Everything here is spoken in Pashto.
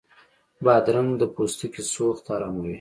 بادرنګ د پوستکي سوخت اراموي.